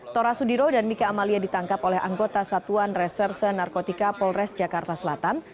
tora sudiro dan mika amalia ditangkap oleh anggota satuan reserse narkotika polres jakarta selatan